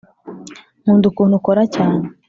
nkunda ukuntu ukora cyane